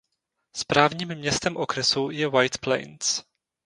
Správním městem okresu je White Plains.